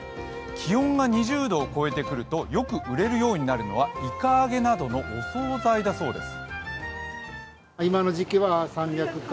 気温が２０度を超えてくるとよく売れるようになるのはいか揚げなどのお惣菜だそうです。